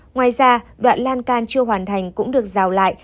ngoài ra đoạn lan can chưa hoàn thành cũng được rào lại